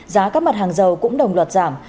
giá các mặt hàng dầu cũng đồng loạt giảm